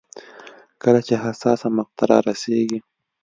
کله چې حساسه مقطعه رارسېږي.